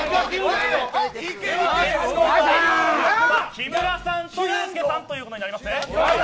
木村さんとユースケさんということになりますね。